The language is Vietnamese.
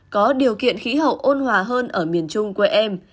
có điều kiện khí hậu ôn hòa hơn ở miền trung quê em